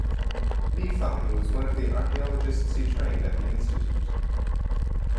Li Feng was one of the archaeologists he trained at the institute.